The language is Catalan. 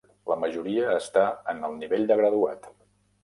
La majoria està en el nivell de graduat.